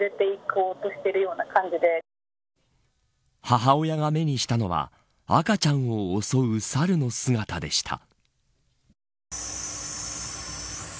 母親が目にしたのは赤ちゃんを襲うサルの姿でした。